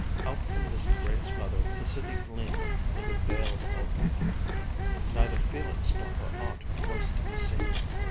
Out from this gray smother the city gleamed like a veiled opal. Neither Felix nor her aunt was to be seen.